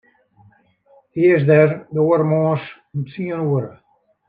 Hy is der de oare moarns om tsien oere.